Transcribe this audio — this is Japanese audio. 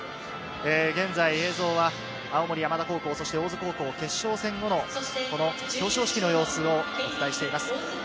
現在、映像は青森山田高校、そして大津高校決、勝戦後の表彰式の様子をお伝えしています。